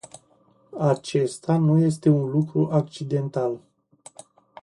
Acesta nu este un lucru accidental.